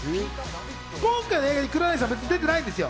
今回の映画に黒柳さんは出てないんですよ。